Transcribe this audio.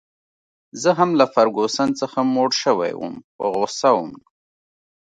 زه هم له فرګوسن څخه موړ شوی وم، په غوسه وم.